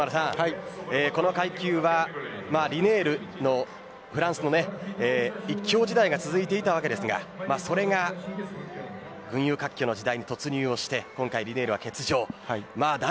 この階級はリネールフランスの１強時代が続いていましたがそれが群雄割拠の時代に突入をして今回リネールは欠場しました。